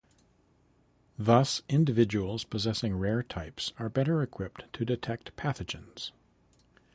Thus, individuals possessing rare types are better equipped to detect pathogens.